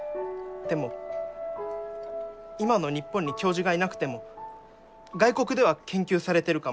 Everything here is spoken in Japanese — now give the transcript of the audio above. でも今の日本に教授がいなくても外国では研究されてるかも。